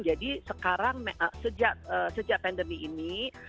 jadi sekarang sejak pandemi ini